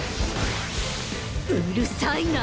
うるさいな！！